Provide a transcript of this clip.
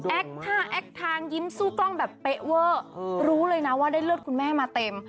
ท่าแอคทางยิ้มสู้กล้องแบบเป๊ะเวอร์รู้เลยนะว่าได้เลือดคุณแม่มาเต็ม